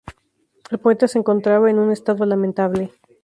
El puente se encontraba en un estado lamentable.